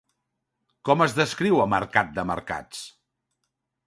Com es descriu a Mercat de Mercats?